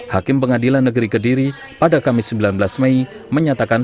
hakim pengadilan negeri kediri pada kamis sembilan belas mei menyatakan